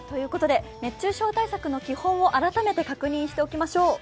熱中症対策の基本を改めて確認しておきましょう。